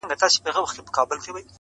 هوښیارو قانونپوهانو یې